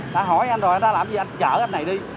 đã hỏi anh rồi anh đã làm gì anh chở anh này đi